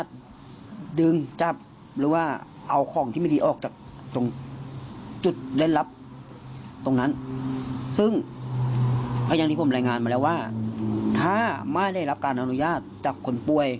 ก็อย่างที่ผมรายงานมาแล้วว่าถ้าไม่ได้รับการอนุญาตจากคนป่วย